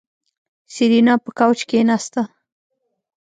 سېرېنا په کوچ کېناسته.